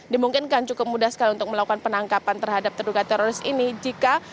dimungkinkan cukup mudah sekali untuk melakukan penangkapan terhadap terduga teroris ini jika